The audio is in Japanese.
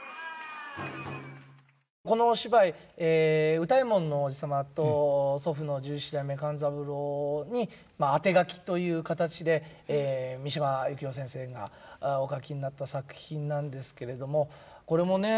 このお芝居歌右衛門のおじ様と祖父の十七代目勘三郎にあてがきという形で三島由紀夫先生がお書きになった作品なんですけれどもこれもね